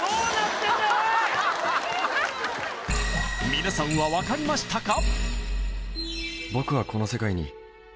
みなさんは分かりましたか？